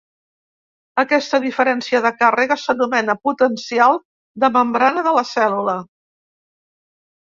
Aquesta diferència de càrrega s'anomena potencial de membrana de la cèl·lula.